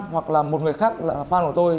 hoặc là một người khác là fan của tôi